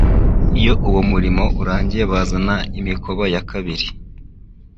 Iyo uwo murimo urangiye bazana imikoba ya kabiri,